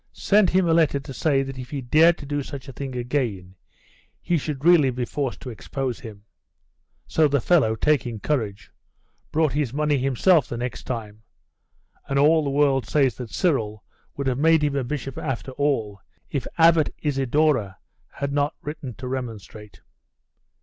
'Sent him a letter to say that if he dared to do such a thing again he should really be forced to expose him! So the fellow, taking courage, brought his money himself the next time; and all the world says that Cyril would have made him a bishop after all, if Abbot Isidore had not written to remonstrate.